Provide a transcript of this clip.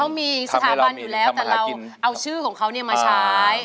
ถ้ามีสถาบันอยู่แล้วเอาชื่อของเค้ามาใช้